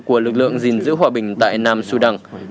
của lực lượng gìn giữ hòa bình tại nam sudan